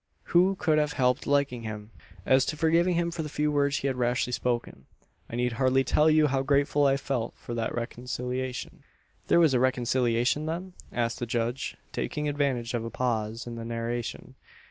"Who could have helped liking him? As to forgiving him for the few words he had rashly spoken, I need hardly tell you how grateful I felt for that reconciliation." "There was a reconciliation, then?" asks the judge, taking advantage of a pause in the narration.